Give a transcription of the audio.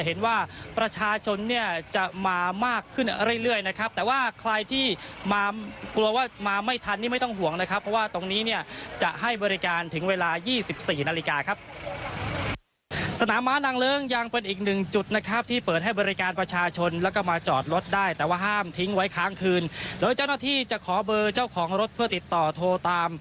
หรือเจ้าหน้าที่จะขอเบอร์เจ้าของรถเพื่อติดต่อโทรตาม